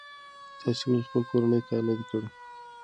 تاسې ولې خپل کورنی کار نه دی کړی؟